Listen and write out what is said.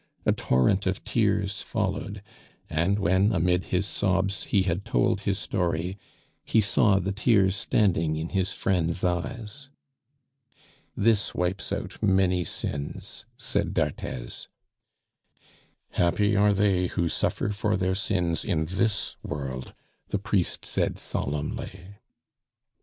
A torrent of tears followed; and when, amid his sobs, he had told his story, he saw the tears standing in his friends' eyes. "This wipes out many sins," said d'Arthez. "Happy are they who suffer for their sins in this world," the priest said solemnly.